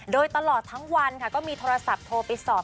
โดยตลอดทั้งวันค่ะก็มีโทรศัพท์โทรไปสอบ